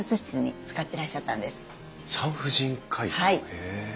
へえ。